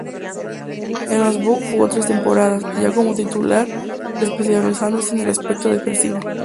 En los Bucks jugó tres temporadas, ya como titular, especializándose en el aspecto defensivo.